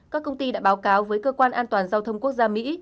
các công ty đã báo cáo với cơ quan an toàn giao thông quốc gia mỹ